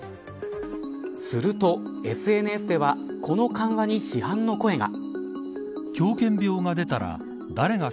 するとＳＮＳではこの緩和に批判の声が。